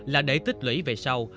là để tích lũy về sau